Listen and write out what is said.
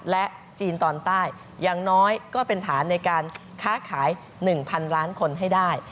และจีนตอนใต้อย่างน้อยก็เป็นฐานในการค้าขาย๑๐๐๐ล้านคนให้ได้